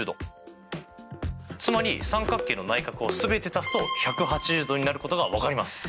つまり三角形の内角を全て足すと１８０°になることが分かります！